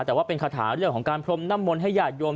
แต่ว่าเป็นคาถาเรื่องของการพรมน้ำมนต์ให้ญาติโยม